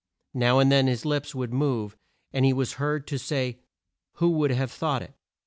Now and then his lips would move and he was heard to say, "Who would have thought it!